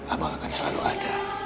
abang akan selalu ada